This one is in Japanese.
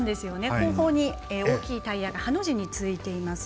後方に大きいタイヤがハの字についています。